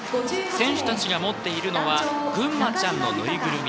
選手たちが持っているのはぐんまちゃんのぬいぐるみ。